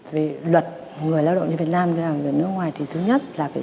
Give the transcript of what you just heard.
về luật người lao động như việt nam như là người nước ngoài thì thứ nhất là phải